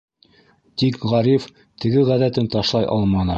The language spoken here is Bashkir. Тик Ғариф теге ғәҙәтен ташлай алманы.